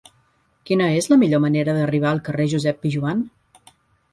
Quina és la millor manera d'arribar al carrer de Josep Pijoan?